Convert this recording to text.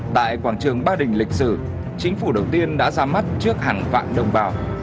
tại quảng trường ba đình lịch sử chính phủ đầu tiên đã ra mắt trước hàng vạn đồng bào